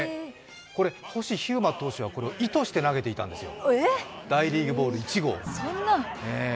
これ星飛雄馬投手は意図して投げていたんですよ。